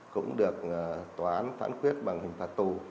cũng được tòa án phản quyết bằng hình phạt tù